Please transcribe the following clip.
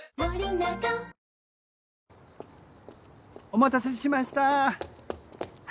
・お待たせしました。